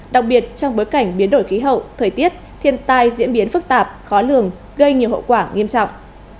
đặc biệt trong bối cảnh biến đổi khí hậu thời tiết thiên tai diễn biến phức tạp khó lường gây nhiều hậu quả nghiêm trọng